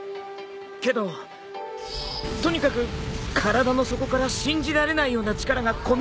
けどとにかく体の底から信じられないような力が込み上げてきて。